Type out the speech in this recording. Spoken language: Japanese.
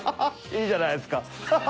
いいじゃないですか。